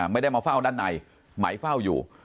ไม่ได้มาเฝ้าด้านในไหมเฝ้าอยู่